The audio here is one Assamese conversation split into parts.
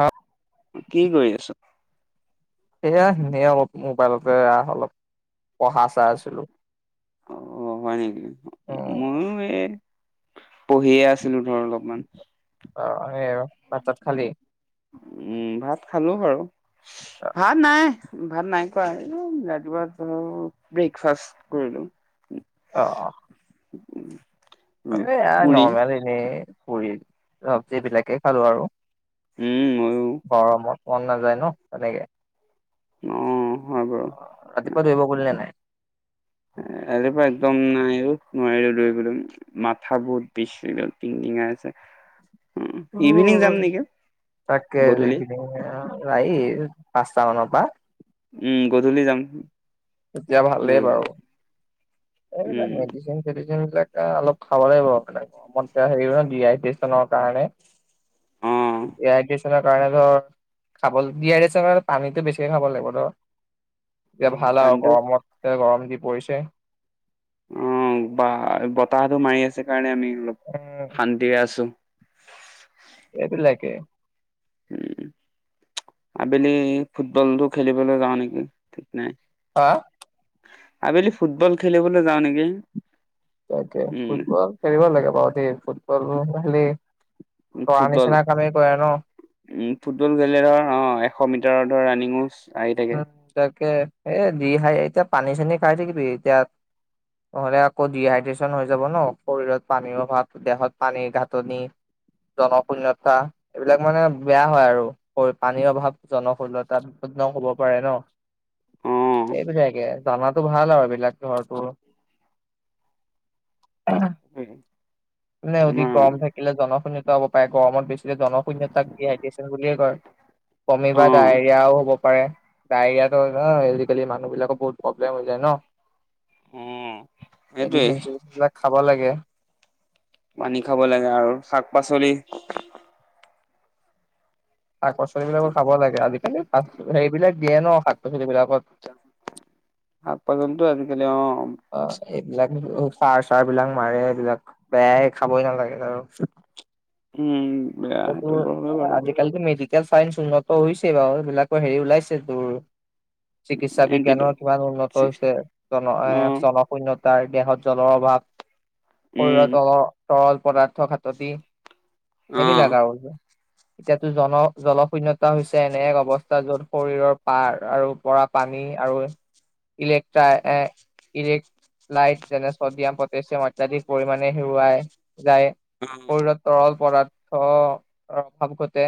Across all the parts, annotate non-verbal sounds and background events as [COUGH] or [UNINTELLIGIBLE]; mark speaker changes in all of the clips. Speaker 1: আ
Speaker 2: কি কৰি আছ?
Speaker 1: এয়া এনে অলপ মোবাইলতে অলপ পঢ়া চাই আছিলো।
Speaker 2: অ হয় নেকি
Speaker 1: উম
Speaker 2: মইও এই পঢ়িয়ে আছিলো ধৰ অলপমান।
Speaker 1: অ হে আৰু ভাতছাত খালি?
Speaker 2: উম ভাত খালো বাৰু। ভাত নাই। ভাত নাই খোৱা। হেৰৌ ৰাতিপুৱা ধৰ ব্ৰেকফাষ্ট কৰিলো।
Speaker 1: অ অ।
Speaker 2: উমহ।
Speaker 1: নৰ্মেল এনেই পুৰি-চবজি বিলাকেই খালো আৰু
Speaker 2: উম ময়ো।
Speaker 1: গৰমত মন নাযায় ন তেনেকে।
Speaker 2: অ' হয় বাৰু।
Speaker 1: অ ৰাতিপুৱাতে আহিব কলি নে নাই
Speaker 2: ৰাতিপুৱা একদম নাই অ' নোৱাৰিলো দৌৰিবলৈ মাথা বহুত বিষ এইডাল টিংটিঙাই আছে ইভিনিং
Speaker 1: উহ
Speaker 2: যাম নেকি
Speaker 1: তাকে এই
Speaker 2: গধূলি।
Speaker 1: পিনে আও ৰাৱি পাছ টাউনৰ পা
Speaker 2: উম গধূলি যাম।
Speaker 1: তেতিয়া ভাল লাগিব আৰু।
Speaker 2: দৌৰিবলৈ।
Speaker 1: এইবিলাক
Speaker 2: উম,
Speaker 1: মেডিচিন-চেডিচিন বিলাক এ অলপ খাব লাগিব মানে গৰমত হেৰি ডিহাইড্ৰেচনৰ কাৰণে
Speaker 2: অ'।
Speaker 1: এই আই টিছ দি কাৰণে ধৰ খাব ডীহাইড্ৰেনচনৰ কাৰনে পানীটো বেছিকে খাব লাগিব ধৰ এতিয়া
Speaker 2: অ'
Speaker 1: ভাল আৰু।
Speaker 2: পানীটো
Speaker 1: এতিয়া গৰম যি পৰিছে।
Speaker 2: অ বা বতাহটো মাৰি আছে কাৰণে আমি
Speaker 1: উম
Speaker 2: অলপ শান্তিৰে আছো।
Speaker 1: এই বিলাকে।
Speaker 2: উম আবেলি ফুটবলটো খেলিবলৈ যাও নেকি ঠিক নাই।
Speaker 1: হা।
Speaker 2: আবেলি ফুটবল খেলিবলৈ যাও নেকি।
Speaker 1: তাকে।
Speaker 2: উম,
Speaker 1: ফুটবল খেলিব লাগে বাৰু ফুটবল খেলি
Speaker 2: ফুটবল উম ফুটবল খেল একধৰণৰ অ হয় এশ মিটাৰ ধৰ ৰানিঙো আহি থাকে
Speaker 1: উ তাকে এ দি হাই এতিয়া পানী চানী খাই থাকিবি এতিয়া নহ'লে আকৌ ডিহাইড্ৰেচন হৈ যাব ন। শৰীৰত পানীৰ অভাৱ দেহত পানীৰ নাটনি জনশূণ্যতা এইবিলাক মানে বেয়া হয় আৰু পানীৰ অভাৱ জনশূণ্যতাৰ- নহব পাৰে ন
Speaker 2: অ'।
Speaker 1: এইবিলাকে জানাতো ভাল আৰু এইবিলাক ঘৰতো। নে অতি
Speaker 2: আমাৰ
Speaker 1: গৰম থাকিলে জনশূণ্যতা অলপ গৰমত বেছিলে জনশূন্য তাক হাইড্ৰেচন বুলিয়ে কয়। বমিব বা
Speaker 2: অ',
Speaker 1: ডায়েৰিয়াও হ'ব হব পাৰে। ডায়েৰিয়াতো ন আজিকালি মানুহ বিলাকৰ বহুত প্ৰব্লেম হৈ যায় ন।
Speaker 2: অ'। সেইটোৱে
Speaker 1: মেডিচিন-চেডচিন বিলাক খাব লাগে।
Speaker 2: পানী খাব লাগে আৰু শাক পাচলি
Speaker 1: শাক-পাচলি বিলাকো খাব লাগে। আজিকালি সেইবিলাক দিয়ে ন শাক -পাচলি বিলাক
Speaker 2: শাক-পাচলিতো আজিকালি অ -
Speaker 1: চাৰ চাৰ বিলাক মাৰে এইবিলাক। বেয়াই খাবই নালাগে আৰু।
Speaker 2: উম। বেয়া
Speaker 1: এইটো
Speaker 2: সেইটো বাৰু
Speaker 1: ত
Speaker 2: হয় বাৰু
Speaker 1: আজিকালিতো মেডিচিন এতিয়া চাইন্ঞ্চ উন্নত হৈছে বাৰু এইবিলাকো হেৰি ওলাইছে তোৰ চিকিৎসা
Speaker 2: এণ্টি
Speaker 1: বিজ্ঞানৰ কিমান উন্নত
Speaker 2: ছিক্স
Speaker 1: হৈছে জন
Speaker 2: অ',
Speaker 1: জনশূন্যত তাৰ দেহত জলৰ অভাৱ
Speaker 2: উম,
Speaker 1: শৰীৰৰ তলৰ তৰল পদাৰ্থ খাততি
Speaker 2: অ',
Speaker 1: এইবিলাক আৰু। এতিয়াতো জন জল শূন্যতা হৈছে এনে এক অৱস্থা য'ত শৰীৰৰ পাৰ আৰু পৰা পানী আৰু ইলেক্ট্ৰাই এ ইলেক্ট লাইট যেনে ছডিয়াম, পটেছিয়াম অত্যাধিক পৰিমাণে হেৰুৱাই যায়
Speaker 2: অ'।
Speaker 1: শৰীৰত তৰল পদাৰ্থ অভাৱ ঘটে।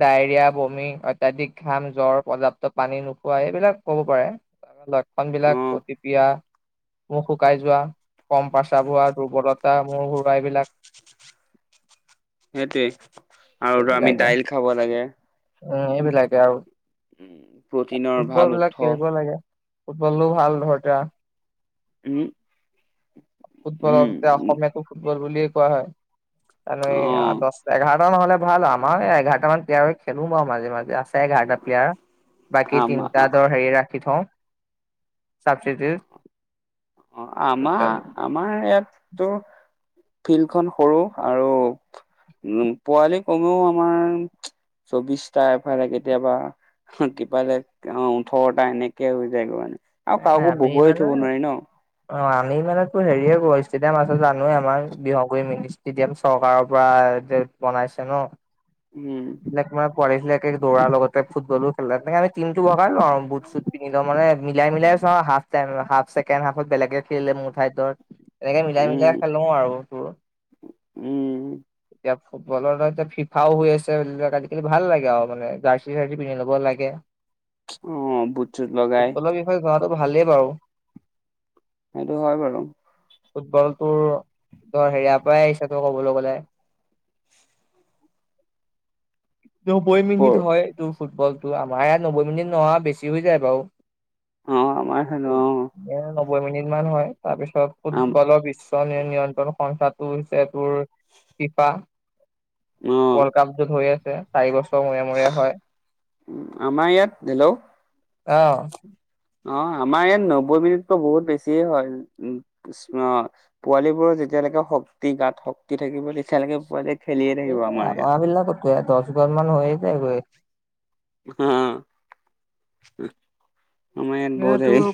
Speaker 1: ডায়েৰিয়া, বমি, অত্যাধিক ঘাম, জ্বৰ পৰ্যাপ্ত পানী নোখোৱা এইবিলাক ক'ব পাৰে। ত লত। খন
Speaker 2: অ
Speaker 1: বিলাক অতিপ্ৰিয় মুখ শুকাই যোৱা কম পাচব হোৱা দুৰ্বলত তা মোৰ ঘূৰাৱা এইবিলাক।
Speaker 2: সেইটোৱেই আৰু আমি
Speaker 1: এইবিলাকে
Speaker 2: দাইল খাব লাগে।
Speaker 1: উম এইবিলাকে আৰু
Speaker 2: উম প্ৰটিনৰ ভাল
Speaker 1: ফুটবল বিলাক
Speaker 2: উৎস
Speaker 1: খেলিব লাগে। ফুটবলো ভাল ধৰ এতিয়া
Speaker 2: উম।
Speaker 1: ফুটবলক এতিয়া
Speaker 2: উম
Speaker 1: অসমীয়ো ফুটবল বুলিয়ে কোৱা হয় আৰু
Speaker 2: অ
Speaker 1: এ দছ এঘাৰ। ত নহ'লে ভাল আৰু আমাৰ এঘাৰটা মান প্লেয়াৰ খেলো বাও মাজে মাজে আছে। এঘাৰটা প্লেয়াৰ বাকি
Speaker 2: আমাৰ
Speaker 1: তিনটা দৰ হেৰি ৰাখি থওঁ। চাবষ্টিটিউট
Speaker 2: অ আমাৰ আমাৰ ইয়াত তো। ফিল্ডখন সৰু আৰু উম পোৱালি কমেও আমাৰ। চৌবিশটা এফালে কেতিয়াবা। হি তিফালে অ ওঠৰটা এনেকে হৈ যায়গে মানে। আৰু
Speaker 1: নাই নাই
Speaker 2: কাকো
Speaker 1: আমি
Speaker 2: বহুৱাই
Speaker 1: মানে
Speaker 2: থব নোৱাৰি ন।
Speaker 1: অ আমি মানে হেৰিয়ে কৰো ষ্টেডিয়াম আছে জানোৱে আমাৰ দিমাগুই ষ্টেডিয়াম চৰকাৰৰ পৰা। যে বনাইছে ন।
Speaker 2: উম
Speaker 1: এইবিকা পোৱালিবিলাকে দৌৰাৰ লগতে ফুটবলো খেলা তেনেকে আমি টিমটো যাম আও বুট চুট পিন্ধি লওঁ মানে মিলাই মিলাই চা হাফ টাইম। হাফ ছেকেণ্ড হাফত বেলেগে খেলিলে মোৰ ঠাইত ধৰ। এনেকে মিলাই
Speaker 2: উম
Speaker 1: মিলাই খেলো আৰু তোৰ
Speaker 2: উম
Speaker 1: তেতিয়া। ফুটবলৰ এতিয়া ফিফাও হৈ আছ। এইবিলাক আজিকালি ভাল লাগে মানে জাৰ্চি চাৰ্চি পিন্ধি ল'ব লাগে।
Speaker 2: অ বুট চুট লগাই।
Speaker 1: হোৱাটো ভালেই বাৰু।
Speaker 2: সেইটো হয় বাৰু।
Speaker 1: ফুটবলটো ধৰ হেয়া পাই আহিছে ত ক'বলৈ গলে। [UNINTELLIGIBLE] নবৈ মিনিট
Speaker 2: কৰ
Speaker 1: হয় এইটো ফুটবলটো আমাৰ ইয়াত নবৈ মিনিট নহয় আও বেছি হৈ যায় বাৰু।
Speaker 2: অ আমাৰ খেলো অ।
Speaker 1: বৈ মিনিট মান হয় তাৰ পিছত ফুটবলৰ পিছ। নিয়ন্ত্ৰণ সংখ্যাটো হৈছে তোৰ ফিফা।
Speaker 2: অ',
Speaker 1: ৱৰ্ল্ড কাপ যত হৈ আছে চাৰি বছৰ। [UNINTELLIGIBLE] হয়
Speaker 2: আমাৰ ইয়াত হেল্ল'।
Speaker 1: অ।
Speaker 2: অ আমাৰ ইয়াত নব্বৈ মিনিটতো বহুত বেছিয়ে হয় উ পোৱালী বোৰ যে। [UNINTELLIGIBLE] তিয়ালৈকে শক্তি গাত শক্তি থাকিব তে।
Speaker 1: এ আমাৰবিলা কত দছ হাজাৰ মান হৈ যায় গৈ।
Speaker 2: হু আমাৰ ইয়াত বত হেৰি।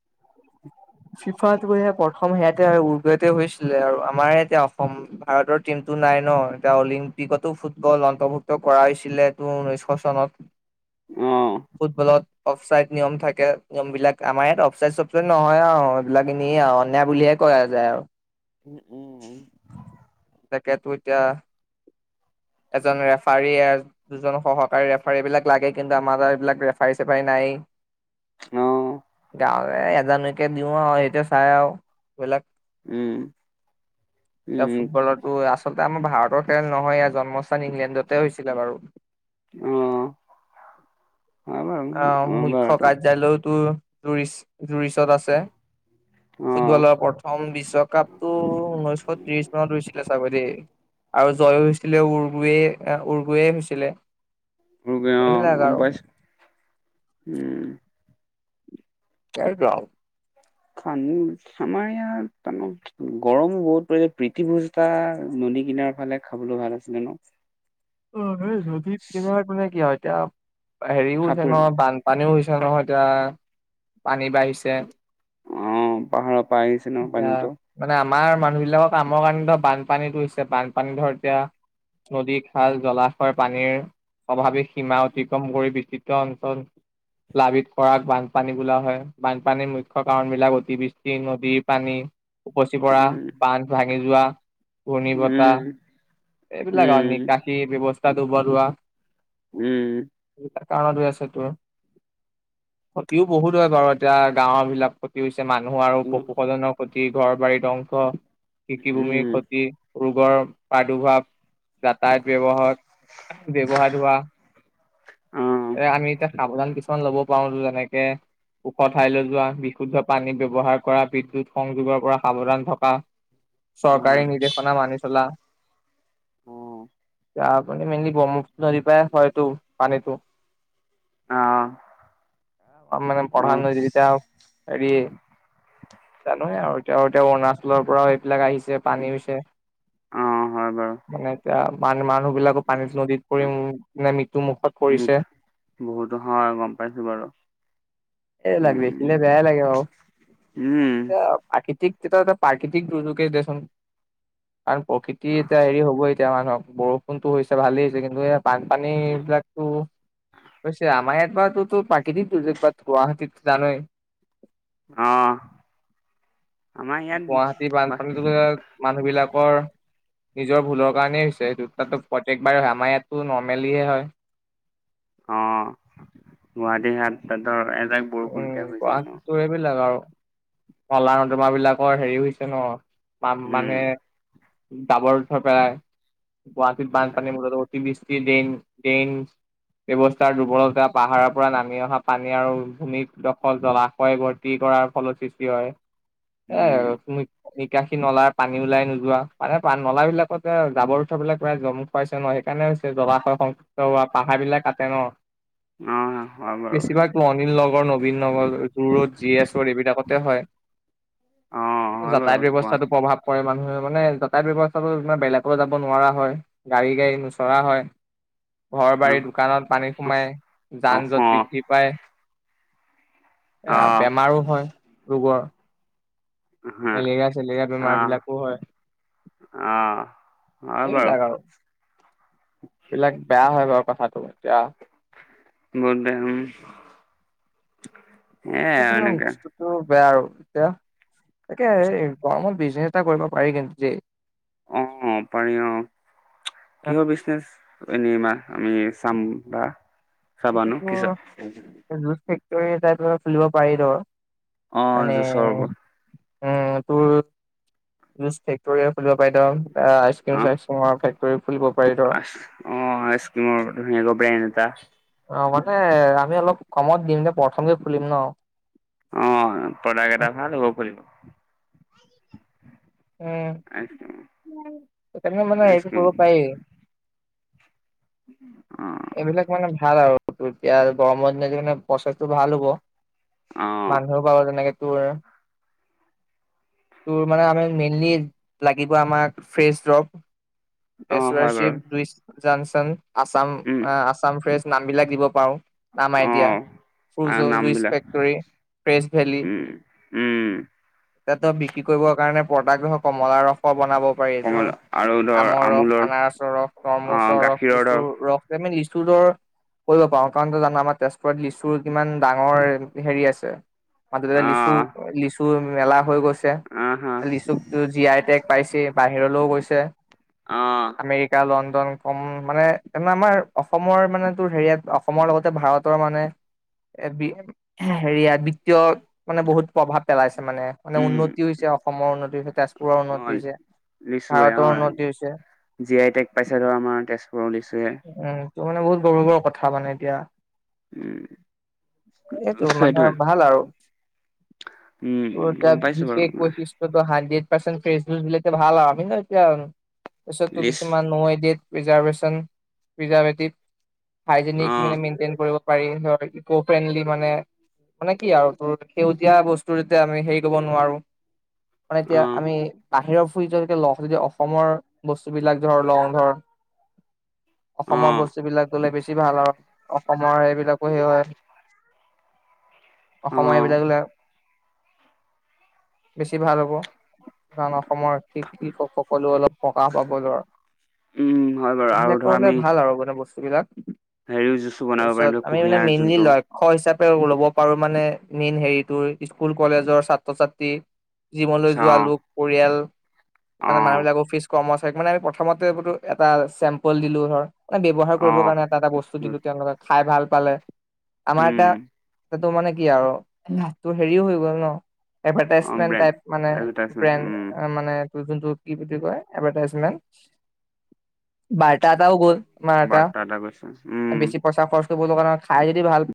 Speaker 2: [UNINTELLIGIBLE]
Speaker 1: ফিফা তোৰহে প্ৰথম সেয়াতে উৰ্বেতে হৈছিলে আৰু আমাৰ এতিয়া অসম ভাৰতৰ টিম। টো নাই ন এতিয়া অলিম্পিকতো ফুটবল অন্তৰ্ভুক্ত কৰা হৈছিলে তোৰ ঊনৈশ চনত।
Speaker 2: অ'।
Speaker 1: ফুটবলত অফচাইড নিয়ম থাক। কে নিয়ম বিলাক আমাৰ ইয়াত অফচাইদ চফচাইদ নহয় আও এইবিলাক এনেই আও অন্যায় বুলিহে কোৱা যায় আৰু।
Speaker 2: উম উম।
Speaker 1: তাকেতো এতিয়া। এজন ৰেফাৰী দুজন সহকাৰী ৰেফাৰী এইবিলাক লাগে কিন্তু আমাৰ এইবিলাক ৰেফাৰী চেফাৰী নাই।
Speaker 2: অ।
Speaker 1: ত এজনকে দিও আৰু এইটোয়ে চাই আও
Speaker 2: উম উম।
Speaker 1: ফুটবলটো, আচলতে আমাৰ ভাৰতৰ খেল নহয়, ইয়াৰ জন্মস্থান ইংলেণ্ডতে হৈছিলে বাৰু।
Speaker 2: অ', হয় বাৰু
Speaker 1: অ মুখ্য
Speaker 2: বাৰুতো
Speaker 1: কাৰ্যালয়ো তোৰ- টুৰিষ্ট- জুৰিছত আছে।
Speaker 2: অ',
Speaker 1: ফুটবলৰ প্ৰথম বিশ্বকাপ টো উনৈশ ত্ৰিশ ইছিলে চাগে দেই আৰু জয়ো হৈছিলে উৰ্গয়ে উৰ্গয়ে হৈছিলে।
Speaker 2: অ
Speaker 1: এইবিলাক
Speaker 2: গম
Speaker 1: আৰু
Speaker 2: পাইছো উম।
Speaker 1: সেইটোয়ে আও।
Speaker 2: খ আমাৰ ইয়াত গৰমো বহুত পৰিছে, প্ৰীতিভোজ এটা- নদী কিনাৰ ফালে খাবলৈ ভাল আছিলে ন।
Speaker 1: অ নদীত কে তানে কি হয়, এতিয়া হেৰিও হৈছে
Speaker 2: সাঁতুৰি
Speaker 1: নহয় বানপানীও হৈছে। প নহয় এতিয়া, [UNINTELLIGIBLE] পানী বাঢ়িছে।
Speaker 2: অ', পাহাৰৰ পৰা আহিছে ন
Speaker 1: এতিয়া
Speaker 2: পানীটো।
Speaker 1: মানে আমাৰ মানুহ বিলাকক কামৰ কাৰণে ধৰ বানপানীতো হৈছে, বানপানী ধৰ এতিয়া নদী ভাল জলাশয় পানীৰ অভাৱী সীমা অতিক্ৰম কৰি বিস্তৃত অঞ্চল লাবিত খৰাক বানপানী বোলা হয়। বানপানীৰ মুখ্য কাৰণবিলাক অতিবৃষ্টি নদী পানী, উপচি পৰা,
Speaker 2: উম,
Speaker 1: বান্ধ ভাঙি যোৱা, ঘূৰ্ণী বতাহ
Speaker 2: উম,
Speaker 1: এইবিলাক আৰু নিক-
Speaker 2: উম,
Speaker 1: ব্যৱস্থাটো বৰুৱাা [UNINTELLIGIBLE]
Speaker 2: উম।
Speaker 1: কাৰণত হৈ আছে তোৰ, ক্ষতিও বহুত হয় বাৰু এতিয়া গাঁও বিলাক ক্ষতি মানুহ আৰু
Speaker 2: উম,
Speaker 1: পশুসালনৰ ক্ষতি, ঘৰ বাৰীত অংশ, কৃষিভূমিৰ
Speaker 2: উম,
Speaker 1: ক্ষতি, ৰোগৰ প্ৰাদুৰ্ভাৱ, যাতায়ত ব্যৱহাৰ ব্যৱহাৰ হোৱা,
Speaker 2: অ',
Speaker 1: এ আমি এতিয়া সাৱধান কিছুমান ল'ব পাৰো যেনেকে - ওখ ঠাইলৈ যোৱা, বিশুদ্ধ পানী ব্যৱহাৰ কৰা, বিদ্যুৎ সংযোগৰ পৰা সাৱধান থকা,
Speaker 2: উম,
Speaker 1: চৰকাৰী নিৰ্দেশনা মানি চলা,
Speaker 2: অ',
Speaker 1: তাৰপানে মেইনলি ব্ৰহ্মপুত্ৰ নদীৰ পৰা হয়তটো পানীতো।
Speaker 2: অ।
Speaker 1: অ মানে প্ৰধান নদী যদিতি [UNINTELLIGIBLE] হৰি জানো আৰু তেওঁ এতিয়া অৰুণাচলৰ পৰাও এইবিলাক আহিছে‌। পানী হৈছে,
Speaker 2: অ', হয় বাৰু।
Speaker 1: মানে ত ম মানুহ বিলাকো পানীত নদীত পৰিানে মৃত্যু মুখত
Speaker 2: মিত
Speaker 1: পৰিছে।
Speaker 2: বহুতো হয় গম পাইছো বাৰু।
Speaker 1: এই বিলাক দেখিলে
Speaker 2: উম,
Speaker 1: বেয়াই লাগে বাৰু।
Speaker 2: উম,
Speaker 1: এতিয়া প্ৰকৃতিক এটা প্ৰাকৃতিক দুৰ্যোগে দেচোন, কাৰণ প্ৰকৃতি এতিয়া হেৰি হ'ব এ এতিয়া মানুহক বৰষুণতো হৈছে ভালেই হৈছে, কিন্তু এয়া বানপানী বিলাকতো হৈছে। আমাৰ ইয়াত পৰাতো প্ৰাকৃতিক দুৰ্যোগ - গুৱাহাটীত জানয়,
Speaker 2: অহ।
Speaker 1: গুৱাহাটীৰ বানপানীতো মানুহ বিলাকৰ নিজৰ ভুলৰ কাৰণেই হৈছে। দু প্ৰত্যেকবাৰ হয় আমাৰ ইয়াতটো নৰ্মেলিহে হয়।
Speaker 2: অ, গুৱাহাটীহাটত ধৰ [UNINTELLIGIBLE]
Speaker 1: উম গোৰ [UNINTELLIGIBLE] এইবিলাক আৰু। নলা নৰ্দমা বিলাকৰ হেৰি হৈছে ন ম
Speaker 2: উম,
Speaker 1: মানে, জাবৰ যোথৰ পেলাই, গুৱাহাটীত বানপানীৰ মূলত অতি ডেইন ডেইন ব্যৱস্থাৰ দুৰ্বলতা, পাহাৰৰ পৰা নামি অহা পানী আৰু [UNINTELLIGIBLE] ভূমিত দখল, জলাশয় ভৰ্তি কৰাৰ ফলৰ সৃষ্টি হয়।
Speaker 2: উম,
Speaker 1: এ- নিকাশি নলাৰ পানী ওলাই নোযোৱা, মানে নলাবিলাকতে জাবৰ যোঠৰ বিলাক প্ৰায় জমু খুৱাইছে ন সেইকাৰণে নে হৈছে জলাশয় সংন্তুষ্ট হোৱা, পাহাৰ বিলাক কাটে ন,
Speaker 2: উম হয় বাৰু।
Speaker 1: বেছিভাগ অনিল নগৰ নবীন নগৰ জুৰোড জি এছড এইবিলাকতে হয়।
Speaker 2: অ',
Speaker 1: [UNINTELLIGIBLE]
Speaker 2: হয় বাৰু
Speaker 1: যাতায়াত ব্যৱস্থাতো
Speaker 2: গুৱাহাটী
Speaker 1: প্ৰভাৱ পৰে। মানুহে মানে যাতায়াত ব্যয়ৱস্থাটো মানে বেলেকলে যাব নোৱাৰা হয় গাড়ী গাড়ী নোচৰা হয়। ঘৰ
Speaker 2: ন
Speaker 1: বাৰী দোকানত পানী সোমাই যান
Speaker 2: অহ
Speaker 1: জঁট বৃদ্ধি পায়। [UNINTELLIGIBLE] এয়া
Speaker 2: আহ
Speaker 1: বেমাৰো হয় ৰোগৰ।
Speaker 2: হা,
Speaker 1: মেলেৰিয়া চেলেৰিয়া বেমাৰ
Speaker 2: আহ
Speaker 1: বিলাকো হয়।
Speaker 2: আহ! অ বাৰু।
Speaker 1: এইবিলাক আৰু এইবিলাক বেয়া হয় বাৰু কথাটো। এতিয়া
Speaker 2: ব দে উমহ।
Speaker 1: এ পুনেঅ বস্তুটো। বেয়া আৰু এতিয়া তাকে এই গৰমত বিজনেছ এটা কৰিব পাৰি কিন্তু দেই।
Speaker 2: অঁ পাৰি অ কিহৰ বিচনেচ এনেই ইমা- আমি চাম বা চাবানু কিচ
Speaker 1: এই তাই ধৰা ফুলিব পাৰি দ।
Speaker 2: অ‍ঁ জুছৰ ব।
Speaker 1: উম তোৰ জুছ ফেক্টৰীয়ে খুলিব পাৰি দ এ আইচক্ৰীম চাইচক্ৰীমৰ ফেক-
Speaker 2: আহ অঁ আইচক্ৰীমৰ ধুনীয়াকৈ ব্ৰেন এটা।
Speaker 1: অ মানে আমি অলপ কমত দিম যে প্ৰথমকে ফুলিম ন।
Speaker 2: অঁ প্ৰডাক্ট এটা ভাল হ'ব।
Speaker 1: [UNINTELLIGIBLE] এ‌
Speaker 2: আইচক্ৰীম
Speaker 1: তেনেকে মানে এইটো
Speaker 2: আইচক্ৰীম
Speaker 1: কয়িব পায়ি।
Speaker 2: অহ।
Speaker 1: এইবিলাক মানে ভাল আৰু এতিয়া গৰমৰ দিন তমানে প্ৰচেছটো ভাল হ'ব।
Speaker 2: অ
Speaker 1: মানুহও পাব যেনেকে তোৰ। তোৰ মানে আমি মেইনলি লাগিব আমাক ফ্ৰেছ দ্ৰৱ।
Speaker 2: অ
Speaker 1: এচ ৱাই
Speaker 2: হয়
Speaker 1: চিভ
Speaker 2: বাৰু
Speaker 1: জুইচ জনচন আছাম
Speaker 2: উম
Speaker 1: আচামফ্ৰেচ নামবিলাক দিব পায়ো। নামাই
Speaker 2: অ
Speaker 1: দিয়া ফ্ৰুজ
Speaker 2: আৰু
Speaker 1: জুইচ
Speaker 2: নামবিলাক
Speaker 1: ফেক্টৰী ফ্ৰেছ ভেলি।
Speaker 2: উম উম
Speaker 1: এট বিক্ৰী কৰিবৰ কাৰণে প্ৰডাক্টদখ কমলা ৰস বনাব পাৰি দ।
Speaker 2: কমল আৰু ধৰ
Speaker 1: আমৰ ৰস,
Speaker 2: আমুলৰ
Speaker 1: আনাৰসৰ ৰস,
Speaker 2: অ
Speaker 1: তৰমুচ ৰস,
Speaker 2: গাখীৰৰ ধৰ
Speaker 1: লিচুৰ ৰস তেমিনিজ। চু দৰ কৰিব পাৱো কাৰণতো জানা আমাৰ তেজপুৱত লিচুৰ কিমান ডাঙৰ হেৰি আছে। মাদতেৰে লিচু
Speaker 2: অ
Speaker 1: লিচু মেলা হৈ গৈছে।
Speaker 2: অ হা
Speaker 1: লিচুকটো জি আই টেক পাইছেই বাহিৰলও গৈছে
Speaker 2: অ
Speaker 1: আমেৰিকা লণ্ড। কম হম মানে তে আমাৰ অসমৰ মানে তো হেৰিয়াত অসমৰ লগতে ভাৰতৰ মানে- হেবি হেৰিয়াত বিত্তীয় মানে বহুত প্ৰভাৱ পেলাইছে। মানে মানে
Speaker 2: উম
Speaker 1: উন্নতি হৈছে অসমৰ উন্নতি হৈছে তেজপুৰৰ
Speaker 2: অ
Speaker 1: উন্নতি হৈছে
Speaker 2: লিচুৱে
Speaker 1: ভাৰতৰ
Speaker 2: অ
Speaker 1: উন্নতি- হৈছে
Speaker 2: জি আই টেগ পাইছে ধৰ আমাৰ তেজপুৰ লিচুৱে।
Speaker 1: ত মানে বহুত গৰ্বৰ কথা মানে এতিয়া।
Speaker 2: উম
Speaker 1: এইটো মানে
Speaker 2: সেইটোৱে
Speaker 1: ভাল আৰু। টৌ
Speaker 2: উম
Speaker 1: এটা
Speaker 2: গম পাইছো বাৰু
Speaker 1: বিশেষ বৈশিষ্টটো হানডেট। পেচেন ফেচজুজ বিলাকে ভাল আও আমি নো এতিয়া তাপিছতো
Speaker 2: লিচ
Speaker 1: কিছুমান নৌএদিয়েট। ৰিজাভেচন ৰিজাভেতিক হাইজনিক
Speaker 2: অ
Speaker 1: মানে মেন্টেন কৰিব- পাৰি ধ ইক ফ্ৰেণ্ডলি মানে- মানে কি আৰু তোৰ সেউজীয়া বস্তু যেতিয়া আমি হেৰি কৰিব নোৱাৰো। মানেএতিয়া
Speaker 2: অ
Speaker 1: আমি বাহিৰৰ ফুৰি যোৱা‌কে‌ লহ যদি অসমৰ বস্তুবিলাক ধৰ লওঁ ধৰ।
Speaker 2: অ
Speaker 1: অসমৰ বস্তুবিলাক ললে বেছি- ছি ভাল আও অসমৰ সেইবিলাকো সেই হয়।
Speaker 2: অ
Speaker 1: অসমৰ এইবিলাকলে- বেছি ভাল হ'ব কাৰণ অসমৰ কৃষক সকলো অলপ সকাহ পাব ধৰ
Speaker 2: উম হয় বাৰু আৰু
Speaker 1: এইবিলাক
Speaker 2: ধৰ
Speaker 1: কাৰনে
Speaker 2: আমি
Speaker 1: ভাল আৰু মানে বস্তুবিলাক
Speaker 2: হেৰিও জুচো বনাব পাৰিম
Speaker 1: তাপিছত
Speaker 2: ধৰ
Speaker 1: আমি মানে
Speaker 2: কুঁহিয়াৰ
Speaker 1: মেইনলি
Speaker 2: যোনটো
Speaker 1: লক্ষ হিচাপ- ল'ব পাৰো মানে মেইন হেৰিটো স্কুল কলেজৰ ছাত্ৰ ছাত্ৰী। জীমলৈ
Speaker 2: চা
Speaker 1: যোৱা লোক পৰিয়াল
Speaker 2: অ
Speaker 1: মানে মানুহবিলাকৰ ফিচ কৰ্মচাৰীক মানে আমি প্ৰথমতে এটা চেম্পল দিলো ধৰ মানে ব্যৱহাৰ
Speaker 2: অ
Speaker 1: কৰিবৰ কাৰণে এটা এটা বস্তু দিলো তেওঁলোকক খাই ভাল পালে আমাৰ এটা
Speaker 2: উম
Speaker 1: টো মানে কি আৰু নাছটো হেৰিও হৈ গ'ল ন
Speaker 2: অ
Speaker 1: এডভাৰটাইজমেণ্ট
Speaker 2: ব্ৰেন
Speaker 1: টাইপ মানে
Speaker 2: তাৰপিছত
Speaker 1: ব্ৰেণ্ড
Speaker 2: উম
Speaker 1: মানে তোৰ যোনটো কি বুলি কয় এডভাৰটাইজমেট বাৰটা এটাও গ'ল। মাৰ এটা
Speaker 2: বাৰ্তা গৈছে উম
Speaker 1: বেছি পইচা খৰচ কৰিব লগা খাই যদি ভাল